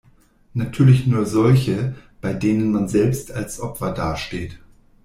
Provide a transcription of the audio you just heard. Natürlich nur solche, bei denen man selbst als Opfer dasteht.